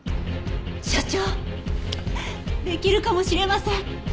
所長できるかもしれません！